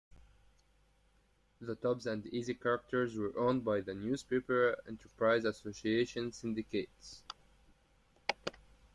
The Tubbs and Easy characters were owned by the Newspaper Enterprise Association syndicate.